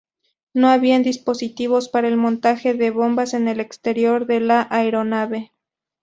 No habían dispositivos para el montaje de bombas en el exterior de la aeronave.